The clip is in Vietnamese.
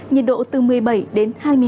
nhiệt độ từ một mươi bảy đến hai mươi hai độ